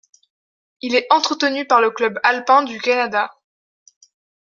Il est entretenu par le club Alpin du Canada.